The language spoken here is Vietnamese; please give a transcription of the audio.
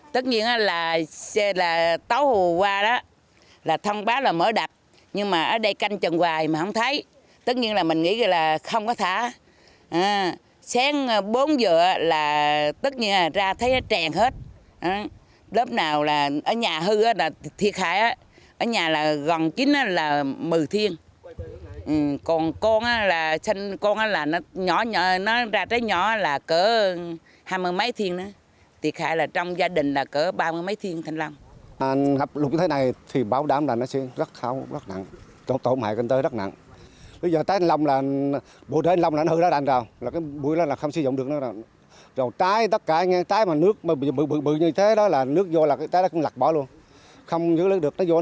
trước đó ngành thủy lợi có thông báo xả lũ nhưng địa phương không nhận được